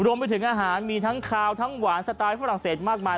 รวมไปถึงอาหารมีทั้งคาวทั้งหวานสไตล์ฝรั่งเศสมากมาย